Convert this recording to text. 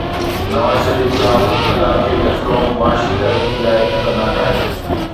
نواز شريف خلاف عدالتي فيصلو معاشي ترقي لاءِ خطرناڪ آهي